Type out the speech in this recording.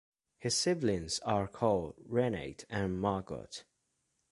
His siblings are called Renate and Margot.